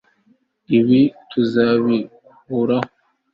ibi tuzabikuraho